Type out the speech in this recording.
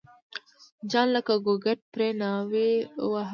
جان لکه ګوګرد پرې ناوی وواهه.